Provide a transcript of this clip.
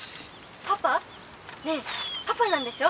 「パパ！？ねえパパなんでしょ？